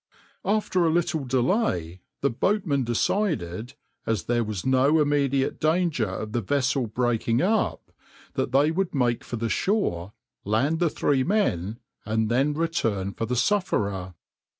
After a little delay the boatmen decided, as there was no immediate danger of the vessel breaking up, that they would make for the shore, land the three men, and then return for the sufferer.